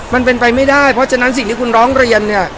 มันเป็นไปไม่ได้เพราะฉะนั้นสิ่งที่คุณร้องเรียนเนี่ย